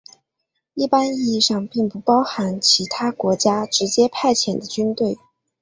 一般意义上并不包含其他国家直接派遣的军队。